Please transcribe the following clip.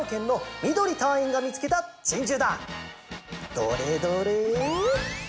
どれどれ？